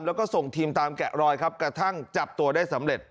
แล้วก็ส่งทีมตามแกะรอยครับกระทั่งจับตัวได้สำเร็จ